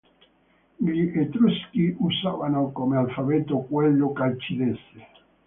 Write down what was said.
Gli Etruschi usavano come alfabeto quello Calcidese.